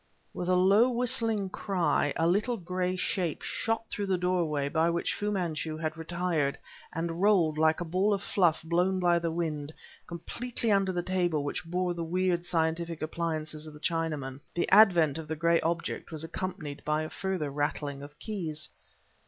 With a low whistling cry a little gray shape shot through the doorway by which Fu Manchu had retired, and rolled, like a ball of fluff blown by the wind, completely under the table which bore the weird scientific appliances of the Chinaman; the advent of the gray object was accompanied by a further rattling of keys.